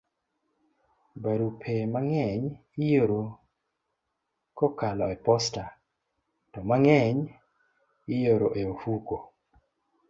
Barupe mang'eny ioro kokalo e posta, to mang'eny ioro e ofuko.